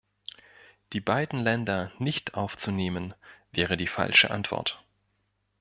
Die beiden Länder nicht aufzunehmen wäre die falsche Antwort.